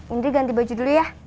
indri ganti baju dulu ya